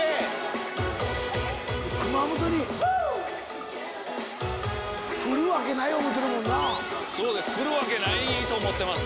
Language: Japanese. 熊本に来るわけないと思うてるもんな。来るわけないと思ってます。